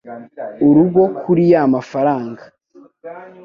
urugo kuri ya mafaranga